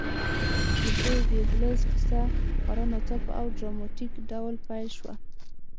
د دریو ګيبلز کیسه خورا ناڅاپه او ډراماتیک ډول پیل شوه